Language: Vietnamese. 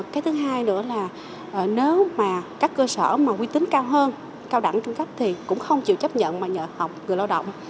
cái thứ hai nữa là nếu mà các cơ sở mà quy tính cao hơn cao đẳng trung cấp thì cũng không chịu chấp nhận mà nhờ học người lao động